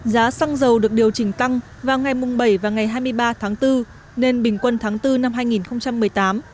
giá xăng dầu được điều chỉnh tăng vào ngày mùng bảy và ngày hai mươi ba tháng bốn nên bình quân tháng bốn năm hai nghìn một mươi tám